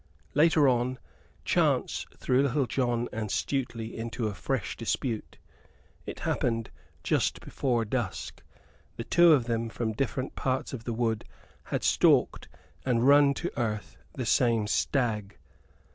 Later on, chance threw Little John and Stuteley into a fresh dispute. It happened just before dusk; the two of them from different parts of the wood had stalked and run to earth the same stag.